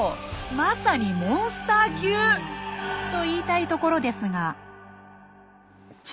まさにモンスター級！と言いたいところですが。